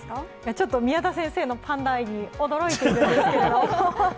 ちょっと宮田先生のパンダ愛に驚いているんですけれども。